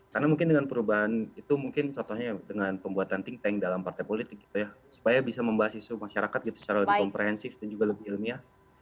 karena mungkin dengan perubahan itu mungkin contohnya dengan pembuatan think tank dalam partai politik supaya bisa membahas isu masyarakat secara lebih komprehensif dan juga lebih ilmiah